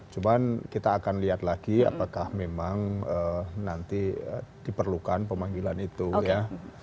cuman kita akan lihat lagi apakah memang nanti diperlukan pemanggilan itu ya